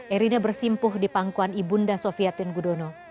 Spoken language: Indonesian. erina bersimpuh di pangkuan ibunda sofia tun gudono